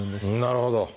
なるほど。